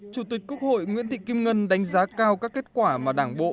chủ tịch quốc hội nguyễn thị kim ngân đánh giá cao các kết quả mà đảng bộ